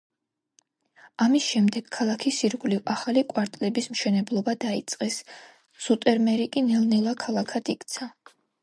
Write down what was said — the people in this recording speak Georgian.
ამის შემდეგ, ქალაქის ირგვლივ ახალი კვარტლების მშენებლობა დაიწყეს, ზუტერმერი კი ნელ-ნელა ქალაქად იქცა.